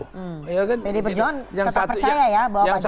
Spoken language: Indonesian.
pdi perjuangan tetap percaya ya bahwa pak jokowi